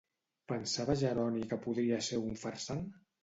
Pensava Jeroni que podria ser una farsant?